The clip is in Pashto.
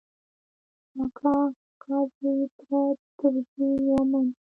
کاکا، اکا زوی ، تره، تربور، زامن ،